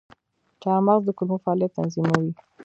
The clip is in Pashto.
چارمغز د کولمو فعالیت تنظیموي.